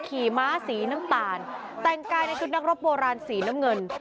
ขี่ม้าสีน้ำตาลแต่งกายในชุดนักรบโบราณสีน้ำเงิน